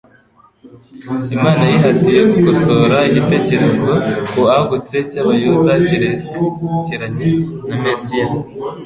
Imana yihatiye gukosora igitekerezo kuagutse cy'Abayuda cyerekeranye na Mesiya.